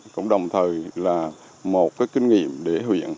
cũng đồng thời là một kinh nghiệm để huyện